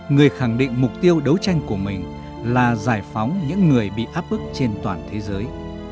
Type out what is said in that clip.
người khẳng định mục tiêu đấu tranh của mình là giải phóng những người bị áp bức trên toàn thế giới